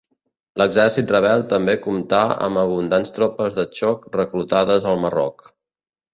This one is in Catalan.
L'exèrcit rebel també comptà amb abundants tropes de xoc reclutades al Marroc.